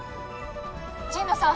神野さん